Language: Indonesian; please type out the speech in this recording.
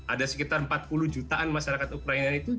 ada sekitar empat puluh jutaan masyarakat ukraina itu